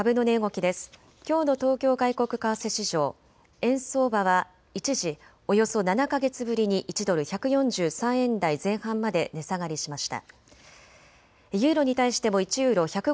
きょうの東京外国為替市場、円相場は一時およそ７か月ぶりに１ドル１４３円台前半まで値下がりしました。